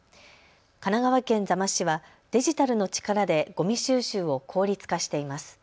神奈川県座間市はデジタルの力でゴミ収集を効率化しています。